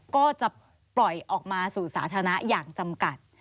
ก็จะปล่อยออกมาสู่สาธารณะอย่างจำกัด